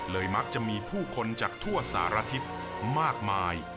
มักจะมีผู้คนจากทั่วสารทิศมากมาย